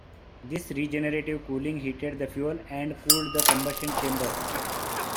This regenerative cooling heated the fuel and cooled the combustion chamber.